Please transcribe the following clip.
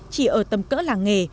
chỉ ở tầm cỡ làng nghề